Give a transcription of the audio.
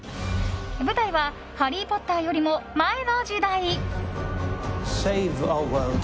舞台は「ハリー・ポッター」よりも前の時代。